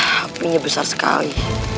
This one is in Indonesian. hapinya besar sekali